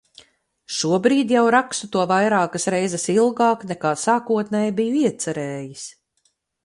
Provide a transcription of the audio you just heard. Šobrīd jau rakstu to vairākas reizes ilgāk nekā sākotnēji biju iecerējis.